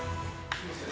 すいません。